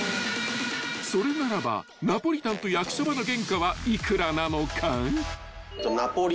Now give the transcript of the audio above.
［それならばナポリタンと焼きそばの原価は幾らなのか］